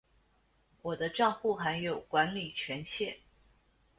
我的帐户还有管理权限